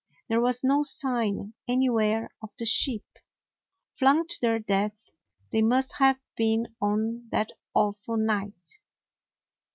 There was no sign any where of the sheep. Flung to their death they must have been on that awful night.